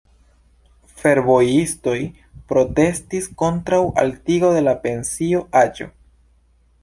Fervojistoj protestis kontraŭ altigo de la pensio-aĝo.